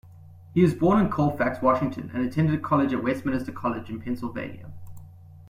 He was born in Colfax, Washington, and attended college at Westminster College in Pennsylvania.